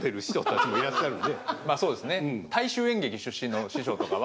まあそうですね。